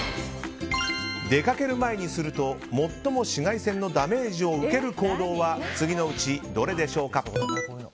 出かける前にすると、最も紫外線のダメージを受ける行動は次のうちどれでしょうか。